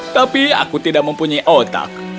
tapi aku tidak mempunyai otak